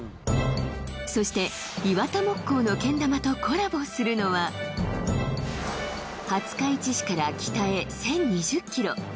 そしてイワタ木工のけん玉とコラボするのは廿日市市から北へ１、０２０ｋｍ